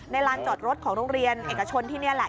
ลานจอดรถของโรงเรียนเอกชนที่นี่แหละ